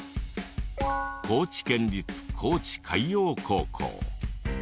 高知県立高知海洋高校。